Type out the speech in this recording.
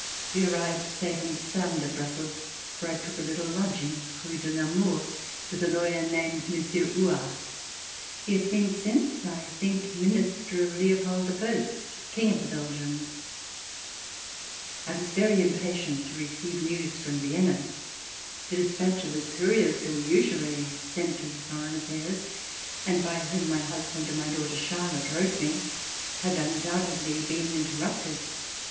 We arrived safe and sound at Brussels where I took a little lodging Rue de Namur, with a lawyer named Monsieur Huart. He has been since, I think, Minister of Leopold I, King of the Belgians. I was very im C403 ] RECOLLECTIONS OF THE REVOLUTION patient to receive news from Vienna. The dispatch of the couriers who were usually sent to the Foreign Affairs and by whom my husband and my daughter Charlotte wrote me, had undoubtedly been in terrupted.